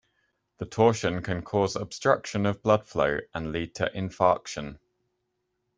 The torsion can cause obstruction of blood flow and lead to infarction.